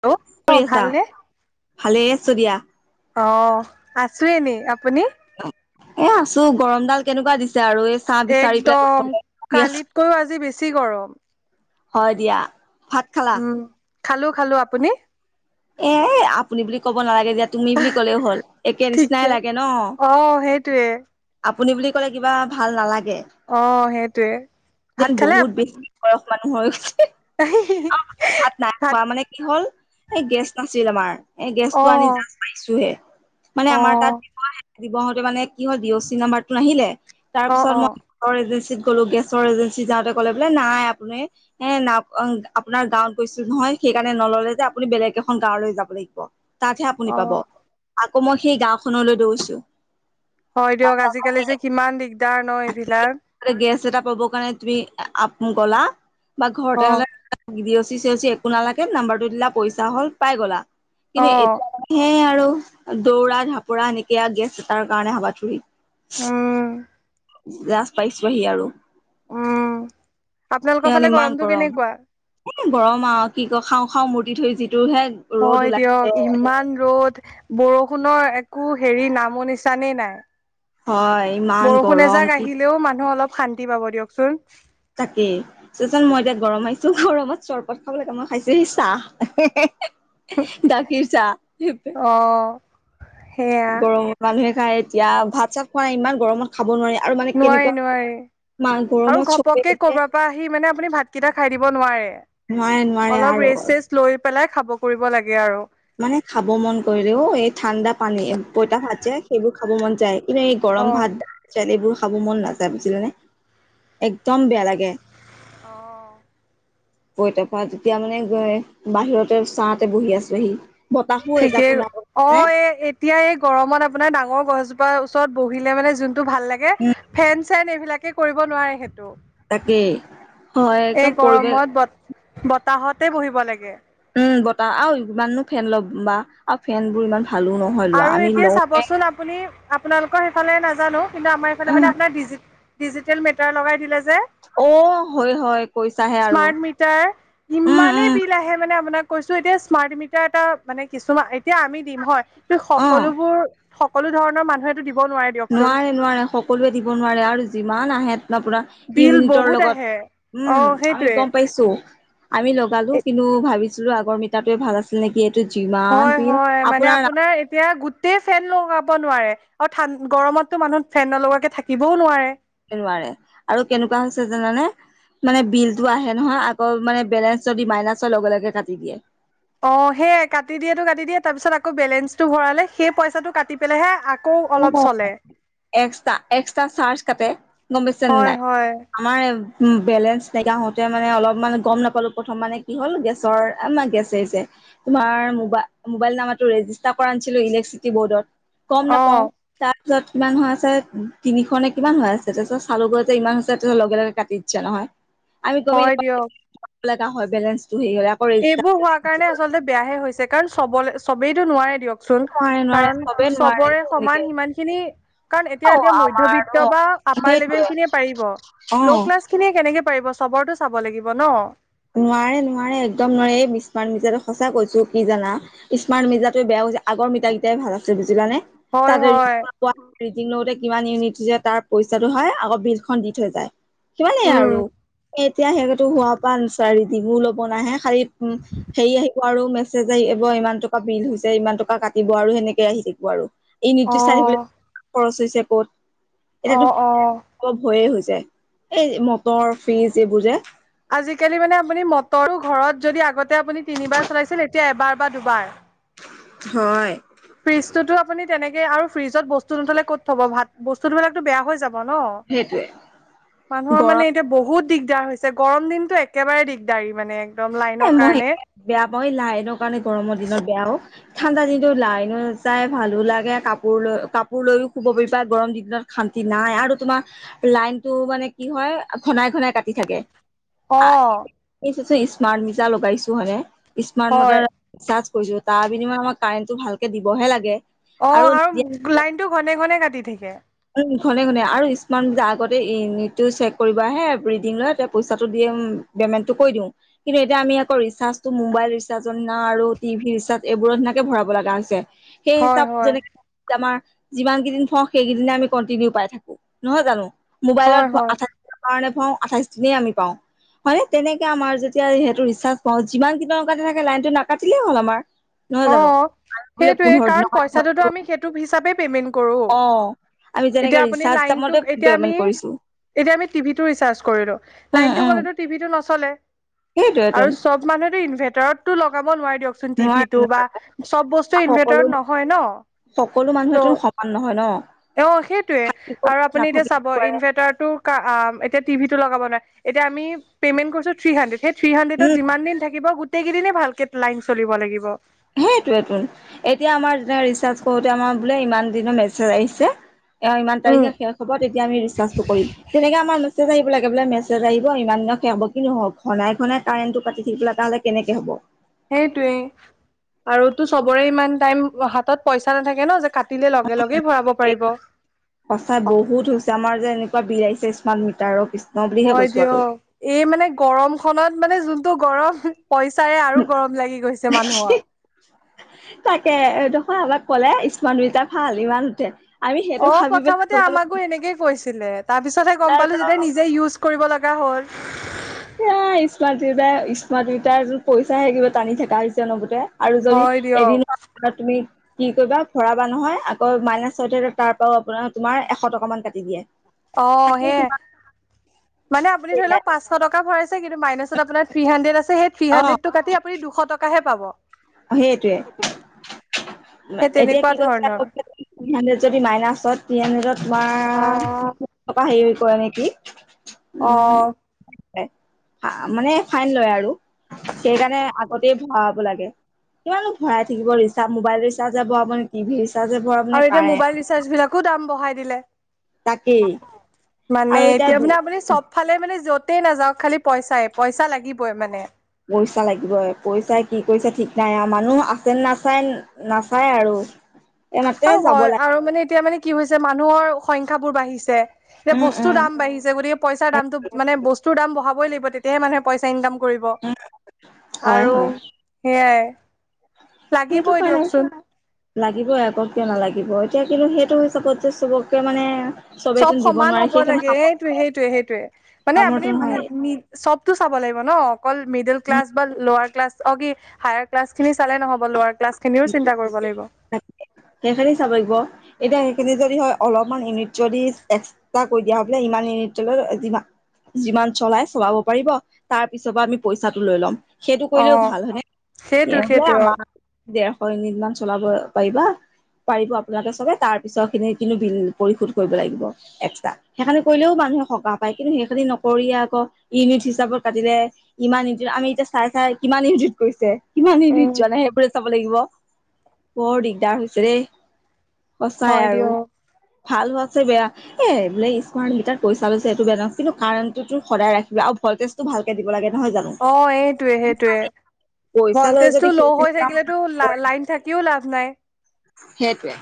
Hello অ কৰি আছা? ভালনে? ভালে আছো দিয়া। অ আছো এনেই আপুনি? এ আছো গৰম ডাল কেনেকুৱা দিছে। যে আৰু এই চাহ বিচাৰি একদম পেলাই গৈ আছো। কালিতকৈও আজি বেছি গৰম। হয় দিয়া ভাত খালা? উম, খালো খালো আপুনি? এ আপুনি বুলি ক'ব নালাগে দিয়া। তুমি বুলি কলেও হ'ল একে নিচিনাই ঠিকে লাগে ন! অ' সেইটোৱে আপুনি বুলি ক'লে কিবা ভাল নালাগে, অ' সেইটোৱে। ভাত যেন খালে? বহুত বেছি বয়স মানে হৈ ভাত নাই খোৱা মানে কি হ'ল? এই গেছ নাছিল আমাৰ এই গেছ টো আনি অ' জাছ পাইছোহে। মানে আমাৰ তাত অ' দিব আহোতে মানে কি হল ডি অ চি নাম্বাৰটো নাহিলে, তাৰ অ' পিছত অ' মই এজেঞ্চিত কলো গেছৰ এজেঞ্চি যাওঁতে ক'লে বোলে নাই আপুনি হ না আপোনাৰ গাঁৱত গৈছো নহয়? সেইকাৰণে নললে যে আপুনি বেলেগ এখন গাঁৱলৈ যাব লাগিব। তাতহে আপুনি পাব। অ' আকৌ মই সেই গাওখনলৈ দৌৰিছো। হয় দিয়ক আজিকালি যে কিমান দিগদাৰ ন এইবিলাক? গেছ এটা পাবৰ কাৰণে তুমি আপ গলা বা ঘৰতে অ' হলে দি [unintelligible] দি O C C O C একো নালাগে নাম্বাৰটো দিলা পইচা হ'ল পাই গ'লা। কিন্তু অ' এতিয়া মানে সে আৰু- দৌৰা ঢাপৰা নেকিয়া গেছ এটাৰ কাৰণে হাবাথুৰি। উম জাষ্ট পাইছো সি আৰু। উম আপোনালোকৰ সিহান ফালে ইমান গৰমটো গৰম কেনেকুৱা? গৰম আৰু কি- খাওঁ খাওঁ মূৰ্তি থৈ যি- হয় দিয়ক ইমান ৰ'দ। বৰষুণৰ একো হেৰি নামো নিচানেই নাই। হয় ইমান বৰষুণ গৰম এজাক কি আহিলেও মানুহ অলপ শান্তি পাব দিয়কচোন। তাকেই চাচোন মই এতিয়া গৰমত আহিছো গৰমত চৰবত খাব লাগে মই খাইছোহি চাহ। গাখীৰ চাহ। [unintelligible] অ সেয়া গৰমত মানুহে খাই এতিয়া ভাত চাত খোৱা নাই ইমান গৰমত খাব নোৱাৰি। আৰু মানে নোৱাৰে কেনেকুৱা নোৱাৰি। মা আৰু গৰমত চবে ঘপককে যে কৰবাৰ পৰা আহি মানে আপুনি ভাতকেইটা খায় দিব নোৱাৰে। নোৱাৰে নোৱাৰে অলপ আৰু ৰেষ্ট চেচ লৈ পেলাই খাব কৰিব লাগে আৰু। মানে খাব মন কৰিলেও এই ঠাণ্ডা পানী পইতা ভাত যে সেইবোৰ খাব মন যায়। কিন্তু এই অ গৰম ভাত [unintelligible] এইবোৰ- খাব মন নাযায় বুজিলা নে। একদম বেয়া লাগে। অঁ। পঁইতা ভাত এতিয়া মানে গৈ বাহিৰতে ছাহতে বহি আছোহি। বতাহো এজাকো ঠিকেই নাই নাই অঁ এই এতিয়া এই গৰমত আ- আপোনাৰ ডাঙৰ গছজোপাৰ ওচৰত বহিলে মানে যোনটো ভাল লাগে উম ফেন- চেন এইবিলাকে কৰিব নোৱাৰে সেইটো। তাকেই হয় একদম এই পৰিৱেশ গৰমত ব- বতাহতে বহিব লাগে। উম বতাহ আৰু কিমাননো ফেন ল'ম বা আৰু ফেন বোৰ ইমান- ভালো নহয় লোৱা আৰু আমি এতিয়া লওঁ সে। চাবচোন আপুনি আপোনালোকৰ সেইফালে নাজানো কিন্তু আমাৰ এইফালে মানে উম, আপোনাৰ ডিজিটেল মিটাৰ লগায় দিলে যে। অ' হয় হয় কৈছাহে আৰু স্মাৰ্ট মিটাৰ উম ইমানেই উম বিল আহে মানে আপোনাক- কৈছো এতিয়া স্মাৰ্ট মিটাৰ এটা মানে কিছুমান এতিয়া আমি দিম হয়। তো অ' সকলোবোৰ- সকলো ধৰণৰ মানুহে- নোৱাৰে নোৱাৰে সকলোৱে দিব নোৱাৰে আৰু যিমান আহে- আপোনা বিল ইউনিটৰ বহুত আহে লগত অ উম আমি সেইটোৱে গম পাইছোঁ। আমি লগালো। কিন্তু ভাবিছিলো আগৰ মিটাৰটোৱে ভাল আছিল নেকি? এইটো যিমান হয় বিল হয় মানে আপোনাৰ এতিয়া গো- গোটেই ফেন লগাব নোৱাৰে আৰু ঠান গৰমতো মানুহ ফেন নলগাকে থাকিবও নোৱাৰে। নোৱাৰে আৰু কেনেকুৱা হৈছে জানানে- মানে বিলটো আহে নহয় আকৌ মানে বেলেঞ্চ যদি মাইনাছ হয়, লগে লগে কাটি দিয়ে। অঁ সেইয়াই কাটি দিয়েটো কাটি দিয়ে তাৰ পিছত আকৌ বেলেঞ্চটো ভৰালে সেই পইচাটো কাটি পেলাইহে- আকৌ অলপ চলে এক্সট্ৰা এক্সট্ৰা চাৰ্জ কাটে। গম পাইছানে হয় নাই হয় আমাৰ- বেলেঞ্চ নাইকিয়া হওঁতে মানে অলপমান গম নাপালোঁ। প্ৰথম মানে কি হ'ল গেছৰ আমাৰ গেছ। তোমাৰ মোবা মোবাইল নাম্বাৰটো ৰেজিষ্টাৰ কৰায় আনিছিলো ইলেক্ট্ৰিচিটি বৰ্ডত। গম অ নাপাওঁ তাত। তাৰপিছত কিমান হৈ আছে তিনিখনে কিমান হৈ আছে তাৰপিছত চালু গৈ যে ইমান হৈছে তাৰপিছত লগে লগে কাটি দিছে নহয়। আমি গমেই হয় দিয়ক। নাপাওঁ হয় বেলেঞ্চ। এইবোৰ হোৱা কাৰণে আচলতে বেয়াসে হৈছে কাৰণ চবলে চবেইতো নোৱাৰে- দিয়কচোন নোৱাৰে নোৱাৰে কাৰণ চবে নোৱাৰে চবৰে তেনেকে সমান সিমান খিনি- কাৰণ অ এতিয়া এতিয়া আমাৰো মধ্যবিত্ত বা আপাৰ লেভেল সেইটোৱে খিনিয়ে পাৰিব। অ ল' ক্লাছ খিনিয়ে কেনেকে পাৰিব চবৰটো চাব লাগিব ন। নোৱাৰে নোৱাৰে একদম নোৱাৰে এই স্মাৰ মিজাটো সঁচা কৈছো কি জানা স্মাৰ্ মিজাটো বেয়া- আগৰ মিতাৰ কেইটাই ভাল আছে বুজিলানে হয় তাতে। হয় ৰিডিং লওঁতে কিমান ইউনিট তাৰ পইচাটো হয় আকৌ বিলখন দি থৈ যায়। সিমানেই উম আৰু এতিয়া সেইটো হোৱা। তাৰ ৰিডিঙো ল'ব নাহে খালি হেৰি আহি আৰু মেছেজ আহিব ইমান টকা বিল হৈছে ইমান টকা কাটিব আৰু সেনেকি আহি থাকিব আৰু। অ ইনোইত চাই থাকিব লাগিব খৰচ হৈছে ক'ত অ অ এতিয়াতো ভয়ে হৈছে। যে এই মটৰ ফ্ৰিজ এইবোৰ যে। আজিকালি মানে আপুনি মটৰো ঘৰত যদি আগতে আপুনি তিনিবাৰ চলাইছিল এতিয়া এবাৰ বা দুবাৰ। হয়। ফ্ৰিজ টোতো আপুনি তেনেকে আৰু ফ্ৰিজত বস্তু নথ'লে ক'ত থ'ব ভাত বস্তুবিলাক বেয়া হৈ যাব। ন সেইটোৱে মানুহৰ গৰম মানে এতিয়া বহুত। দিগদাৰ হৈছে গৰম দিনতটো একেবাৰে দিগদাৰী মানে একদম লাইনৰ মই কাৰণে সেয়ে বেয়া পাওঁ এই লাইনৰ কাৰণে গৰমৰ দিনত বেয়া অওঁ। ঠাণ্ডা দিনো লাইনো নাযাই ভালো লাগে কাপোৰ লৈ কাপোৰ লৈয়ও শুব পাৰিবা গৰম দিনত খানা। নাই আৰু তোমাৰ লাইনতটো মানে কি হয় ঘনাই ঘনাই কাটি থাকে। অঁ। স্মাৰ্ট মিটাৰ লগাইছো হাননে স্মাৰ্ট হয় মিটাৰে ৰিচাৰ্চ। কৈছো তাৰ বিনিমত আমাৰ কাৰেণ্টটো ভালকে দিবহে লাগে। অঁ আৰু লাইনতটো ঘনে ঘনে কাটি থাকে। উম, ঘনে ঘনে আৰু ইচমাৰত মিটাৰ, আগতে ইওনিটটো চেক কৰিব আহে ৰিডিং লয় পইচাটো দিম। পেমেণ্টটো কৰি দিওঁ। কিন্তু এতিয়া আমি আকৌ ৰিচাৰ্জটো মোবাইল ৰিচাৰ্ৰ নিচিনা আৰু টিভি ৰিচাৰ্জ এইবোৰৰ নিচিনাকে ভৰাব লগা হৈছে। সেই হয় হিচাপ হয় যেনেকে আমাৰ যিমান কেইদিন পওঁ সেইকেইদিনে আমি কন্টিনিউ পাই থাকো নহয় জানো হয় মোবাইলত হয় আঠাইছ দিনৰ কাৰণে ভৱাও আঠাইশ দিনে আমি পাওঁ হয় নে তেনেকে আমাৰ যদি। এতিয়া সেইটো ৰিচাৰ্চ পাওঁ যিমান কেইদিনৰ থাকে লাইনটো নাকাটিলে হ'ল আমাৰ নহয় জানো? অঁ আমি বোলে সেইটোৱে পোন্ধৰ দিনৰ কাৰণ কাৰণে পইচাঁটোতো ভৰাইছো আমি সেইটো হিচাপে পেমেণ্ট কৰোঁ অ আমি যেনেকে এতিয়া আপুনি ৰিচাৰ্জ দামতে লাইনটোক এতিয়া আমি। পেমেন্ট কৰিছো এতিয়া আমি টিভি টো ৰিচাৰ্জ কৰিলো উম লাইনটো উম গ'লেতো টিভিটো নচলে। আৰু সেইটোৱেতোন চব মানুহেতো ইনভাৰ্টাৰতো লগাব নোৱাৰে দিয়কচোন টিভিত। নোৱাৰে নোৱাৰে বা চব বস্তু ইনভাৰ্টাৰত সকলো নহয় ন। সকলো মানুহেতো সমান নহয় ন। অঁ সেইটোৱে আৰু আপুনি এতিয়া নাথাকিব চাব পাৰে ইনভাৰ্টাৰটো এতিয়া। টিভি টো লগ নাৱাৰে এতিয়া আমি পেমেণ্ট কৰিছো থ্ৰী হাড্ৰেড সেই থ্ৰী হাণ্ড্ৰেত উম যিমান দিন থাকিব। গোটেইকেইদিনে ভালকে লাইন চলিব লাগিব। হোম। এতিয়া আমাৰ যেনেকে ৰিচাৰ্চ কৰোঁতে আমাৰ বোলে ইমান দিনৰ মেচেজ আহিছে অ ইমান উম তাৰিখে শেষ হ'ব তেতিয়া আমি ৰিচাৰ্জটো কৰিম তেনেকে আমাৰ মেচেজ আহিব লাগে বোলে মেছেজ আহিব ইমান দিনৰ শেষ হব কিন্তু ঘনাই ঘনাই কাৰেণ্টটো কাতি থাকিবলে তাহলে কেনেকে হ'ব। সেইটোৱে আৰুতো চবৰে ইমান টাইম হাতত পইচা নাথাকে ন যে কাট সচাই বহুত হৈছে আমাৰ যে এনেকুৱা বি আই চেচ কিমান মিটাৰৰ পিছ হয় দিয়ক এই মানে গৰম খত মানে যোনটো গৰম পইচাৰে আৰু গৰম লাগি গৈছে আৰু মানুহৰ। তাকে এদখ আমাক ক'লে স্মাৰ্ট মিটাট ভাল ইমান টে অ প্ৰথমতে আমাকো এনেকে কৈছিলে তাৰ পিছতহে গম পালো যে নিজে ইজ কৰিব লগা হ'ল এ স্মাৰ্ট মিটাৰ স্মাৰ্ট মিটাৰ পইচাহে কিব টানি থকা হৈছে ন বুতে আৰু যদি হয় দিয়ক এদিনৰ তুমি কি কৰিবা ভৰাবা নহয় আকৌ মাইনাছ হৈ থাকে তাৰ পৰাও আপোনাৰ তোমাৰ এশ টকা মান কাটি দিয়ে। অ থাকেই সে তোমাৰ মানে আপুনি ধৰি লওক পাঁচশ টকা ভৰাইছে কিন্তু মাইনাচত আপোনাৰ থ্ৰী হান্ড্ৰেড আছে সেই থ্ৰী অ হান্ড্ৰেডটো কাটি আপুনি দুশ টকাহে পাব অ সেইটোৱে সেই এতিয়া তেনেকুৱা কি কৈছে ধৰণৰ হান্ড্ৰেড যদি মাইনাচত থ্ৰী হান্ড্ৰেড তোমাৰ টকা হেৰি পৰে নেকি অ উম মানে ফাইন লয় আৰু সেইকাৰণে আগতে ভৰাব লাগে কিমানো ভৰাই থাকিব ৰিচাৰ মোবাইল ৰিচাৰ্জ যাব পনি টিভি ৰিচাৰ্জে ভৰাব নে আৰু এতিয়া কাৰেণ্ট মোবাইল ৰিচাৰ্জ বিলাকো দাম বঢ়াই দিলে। তাকেই মানে আৰু এতিয়া দু মানে আপুনি চব ফালে মানে যতেই নাযাও খালি পইচাই পইচা লাগিবই মানে পইচা লাগিবই পইচাই কি কৰিছে ঠিক নাই মানুহ আছে নাচায় নাচায় আৰু এই মাতে আৰু যাব হয় লাগে আৰু মানে এতিয়া মানে কি হৈছে মানুহৰ সংখ্যা বোৰ বাঢ়িছে এতিয়া উম উম বস্তুৰ দাম বাঢ়িছে গতিকে পইচাৰ দামতো মানে বস্তু বস্তুৰ দাম বঢ়াবই লাগিব তেতিয়াহে মানুহে পইচা ইনকাম কৰিব হয় আৰু হয় সেয়াই সেইটো লাগিবই কাৰণে দিয়কচোন লাগিবই আক কিয় নালাগিব এতিয়া কিন্তু সেইটো হিচাপত যে চবকে মানে চবেইতো চব দিব সমান নোৱাৰে হব সেইখিনি লাগে এইটো সেইটোয়ে সেইটোয়ে মানে সামৰ্থ আপুনি চবতটো চাব লাগে থাকিব ন অকল মিডিল ক্লাছ নহয় বা লৱাৰ ক্লাছ অ কি হাইয়াৰ ক্লাছ খিনি চালে নহ'ব লৱাৰ ক্লাছ খিনিও চিন্তা কৰিব লাগিব সেইখিনি চাব লাগিব এতিয়া সেইখিনি যদি হয় অলপমান ইউনিট যদি একষ্টা কৰি দিয়া বোলে ইমান ইউনিট লৈ যিমান চলাই চলাব পাৰিব তাৰ পিছৰ পৰা আমি পইচাটো লৈ ল'ম সেইটো অ কৰিলেও ভাল হয়নে সেইটো বোলে সেইটো অ আমাৰ ডেৰশ ইউনিট মান চলাব পাৰিবা পাৰ আপোনালোকে চবে তাৰ পিছ খিনি কিন্তু বিল পৰিশোধ কৰিব লাগিব এক্সট্ৰা সেইখিনি কৰিলেও ভাল মানুহে সকাহ পায় কিন্তু সেইখিনি নকৰিয়ে আক ইউনিট হিচাপত কাটিলে ইমান ইউনিট আমি এতিয়া চাই চাই কিমান ইউনিট গৈছে কিমান ইউনিট উম যোৱা নাই সেইবোৰে চাব লাগিব বৰ দিগদাৰ হৈছে দেই সঁচাই হয় আৰু দিয়ক ভাল হৈছেগে আও এ বোলে ইচমাৰ্ট মিটাৰ পইচা লৈছে সটো বেয়া ন কিন্তু কাৰেণ্টটো তোৰ সদায় ৰাখিবা ভলটেজটো ভালকে দিব লাগে নহয় জানো অ এইটোয়ে সেইটোয়ে পইচা লৈ ভল্টেজ টো যদি ল' হৈ সেইখিনি থাকে কাম থাকিলেতো লা লাইন থাকিও লাভ নাই সেইটোৱে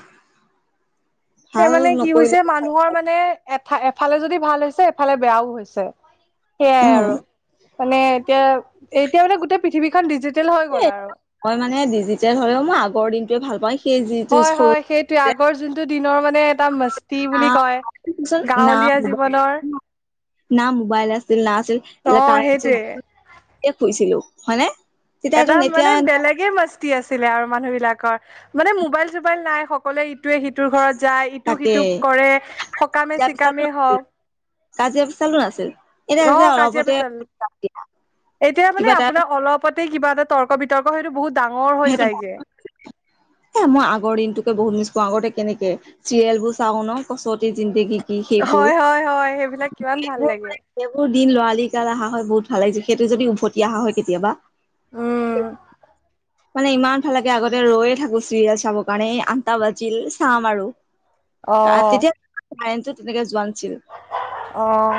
তে ভাল মানে কি হৈছে নকৰিলে মানুহৰ মানে এ-এফালে যদি ভাল হৈছে এফালে বেয়াও হৈছে, সেইয়াই উম আৰু। মানে এতিয়া-এতিয়া মানে গোটেই পৃথিৱীখন ডিজি মই মানে ডিজিটেল হলেও মই আগৰ দিনটোৱে ভাল পাওঁ সেই যিটো সৰু হয়'-হয়', সেইটোয়ে আগৰ যোনটো দিনৰ মানে এটা মস্তি বুলি কয়, না গাঁৱলীয়া জীৱনৰ। না মোবাইল আছিল না আছিল অ কাৰেণ্ট আছিল সেইটোৱে খুইছিলো হয়নে? এটা তেতিয়াতোন এতিয়া মানে বেলেগে মাস্তি আছিলে আৰু মানুহ বিলাকৰ, মানে মোবাইল-চোবাইল নাই সকলোৱে ইটোৱে সিটোৰ ঘৰত যায় ইটো তাকে সিটো কৰে সকামে তেতিয়া পিছাতো চিকামেই নাছিল হওঁক। কাজিয়া পেচালো নাআছিল। অঁ কাজিয়া পেচাল এতিয়া মানে কিবা এটা আপোনাৰ অলপতে কিবা এটা। তৰ্ক বিতৰ্ক সেইটো বহুত ডাঙৰ হৈ সেইটো যায়গে। হ মই আগৰ দিনতোকে বহুত মিছ কৰো আগতে কেনেকে। চিৰিয়েল বোৰ চাওঁ ন কছতি জিন্দেগী। কি সেইবোৰ হয়, হয়, হয়, সেইবিলাক কিমান ভাল লাগে। সোৰান সেইবোৰ। দিন লৰালি কাল অহা হয় বহুত ভাল লাগি য সেইটো যদি উভতি অহা হয় কেতিয়াবা। অ', মানে ইমান ভাল লাগে আগতে ৰৈয়ে থাকো চিৰিয়েল চাবৰ কাৰণে আঠ তা বাজিল চাম আৰু অঁ আইনতো তেনেকে যোৱান। অঁ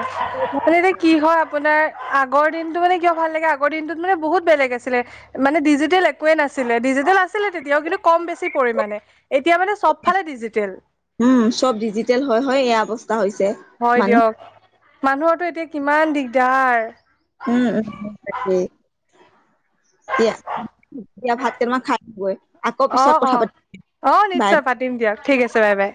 মে এতিয়া কি হয়? আপোনাৰ আগৰ দিনতো মানে কিয় ভাল লাগে আগৰ দিনটোত মানে বহুত বেলেগ আছিলে মানে ডিজিটেল একে নাছিল। ডিজিটেল আছিলে তেতিয়াও কিন্তু কম বেছি পৰিমাণে এতিয়া মানে চবফালে ডিজিটেল উম', চব ডিজিটেল হয়-হয় এয়া অৱস্থা হৈছে হয় মানুহ দিয়ক। মানুহৰটো এতিয়া কিমান দিগদাৰ। উম'-উম', তাকেই। দিয়া-দিয়া ভাত কেইটান খাই আহু গৈ আকৌ পিছত কথা পাতি অঁ নিশ্চয় পাতিম দিয়ক ঠিক আছে বাই বাই।